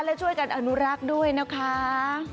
และช่วยกันอนุรักษ์ด้วยนะคะ